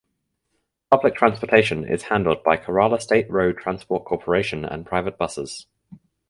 Public transportation is handled by Kerala State Road Transport Corporation and Private buses.